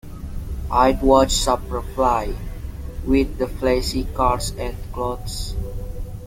I'd watch Superfly, with the flashy cars and clothes.